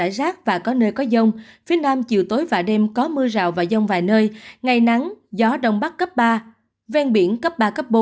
có nơi có rác và có nơi có dông phía nam chiều tối và đêm có mưa rào và dông vài nơi ngày nắng gió đông bắc cấp ba ven biển cấp ba bốn